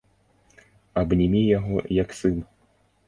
Абнімі яго, як сын.